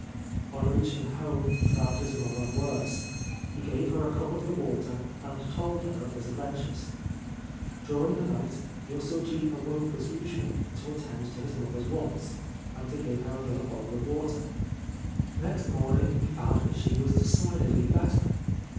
On reaching home he found his mother worse. He gave her a cup of the water, and told her of his adventures. During the night Yosoji awoke as usual to attend to his mother's wants, and to give her another bowl of water. Next morning he found that she was decidedly better.